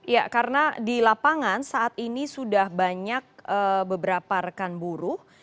ya karena di lapangan saat ini sudah banyak beberapa rekan buruh